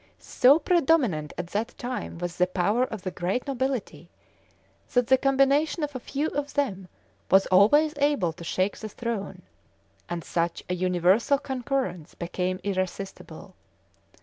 So predominant at that time was the power of the great nobility, that the combination of a few of them was always able to shake the throne; and such a universal concurrence became irresistible.